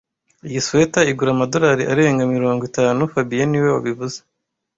Iyi swater igura amadorari arenga mirongo itanu fabien niwe wabivuze